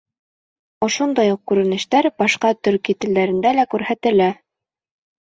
Ошондай уҡ күренештәр башҡа төрки телдәрендә лә күрһәтелә.